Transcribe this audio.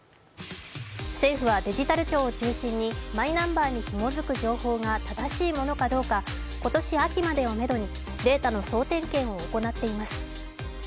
政府はデジタル庁を中心にマイナンバーにひもづく情報が正しいものかどうか今年秋までをめどにデータの総点検を行っています。